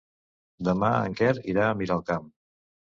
Demà en Quer irà a Miralcamp.